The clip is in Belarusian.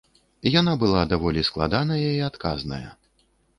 Яна была даволі складаная і адказная.